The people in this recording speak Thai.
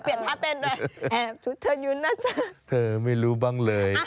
แอบถูเธออยู่หน้าจ้ะ